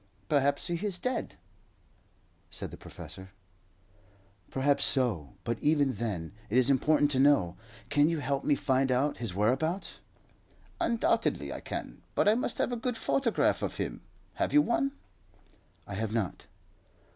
"Perhaps he is dead," said the professor. "Perhaps so; but even then it is important to know. Can you help me to find out his whereabouts?" "Undoubtedly I can; but I must have a good photograph of him. Have you one?" "I have not."